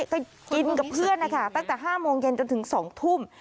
ก็กินกับเพื่อนนะคะตั้งแต่๕โมงเย็นจนถึง๒ทุ่ม